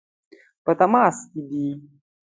په تماس کې دي.